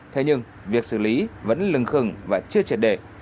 thế nhưng việc xử lý vẫn lừng khừng và chưa trật đề